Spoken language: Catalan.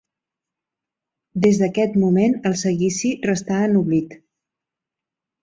Des d'aquest moment, el seguici restà en l'oblit.